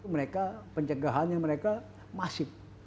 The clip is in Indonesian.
mereka pencegahannya mereka masif